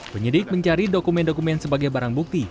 penyidik mencari dokumen dokumen sebagai barang bukti